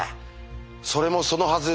それもそのはず。